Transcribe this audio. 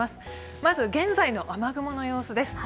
まず、現在の雨雲の様子です。